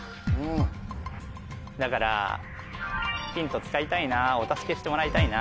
だからヒント使いたいなお助けしてもらいたいな。